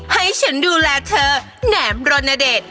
ให้ฉันดูแลเธอแหนมรณเดช